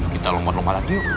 kita lompat lompatan yuk